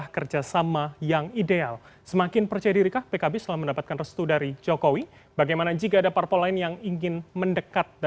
kebangkitan indonesia raya